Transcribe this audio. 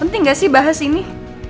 penting gak sih bahas ini